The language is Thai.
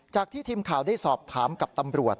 ที่ทีมข่าวได้สอบถามกับตำรวจ